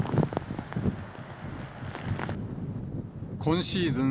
今シーズン